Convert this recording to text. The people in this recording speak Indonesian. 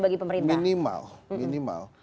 bagi pemerintah minimal